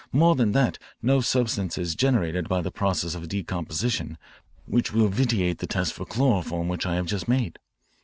More than that, no substance is generated by the process of decomposition which will vitiate the test for chloroform which I have just made.